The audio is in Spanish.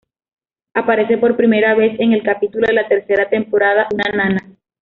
Aparece por primera vez en el capítulo de la tercera temporada, "Una Nana".